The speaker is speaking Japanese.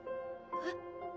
えっ？